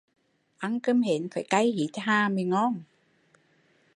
Ăn cơm hến phái cay hít hà mới ngon